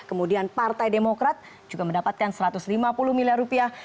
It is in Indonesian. kemudian partai demokrat juga mendapatkan satu ratus lima puluh miliar rupiah